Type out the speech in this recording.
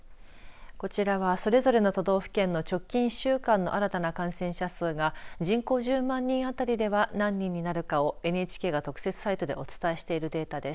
こちらはそれぞれの都道府県の直近１週間の新たな感染者数が人口１０万人当たりでは何人になるかをＮＨＫが特設サイトでお伝えしているデータです。